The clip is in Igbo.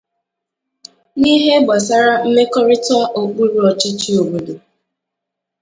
n'ihe gbasaara mmekọrịta okpuru ọchịchị obodo